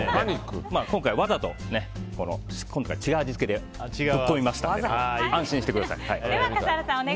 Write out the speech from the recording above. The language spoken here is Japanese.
今回わざと違う味付けでぶっ込みましたので安心してください。